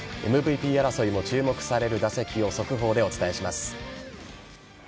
ＭＶＰ争いも注目される打席を速報でお伝えします。